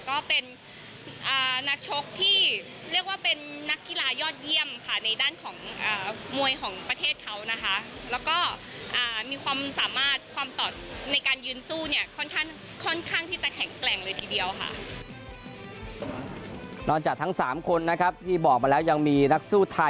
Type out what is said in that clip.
ก็เป็นนักชกที่เรียกว่าเป็นนักกีฬายอดเยี่ยมค่ะ